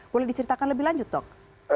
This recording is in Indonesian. boleh diceritakan lebih lanjut dok